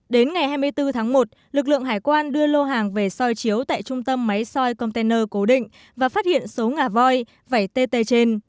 đến ngày hai mươi bốn tháng một lực lượng hải quan đưa lô hàng về soi chiếu tại trung tâm máy soi container cố định và phát hiện số ngà voi vẩy tt trên